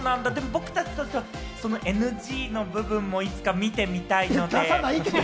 僕たちとしてはＮＧの部分もいつか見てみたいので。